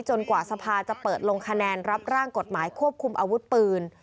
กว่าสภาจะเปิดลงคะแนนรับร่างกฎหมายควบคุมอาวุธปืน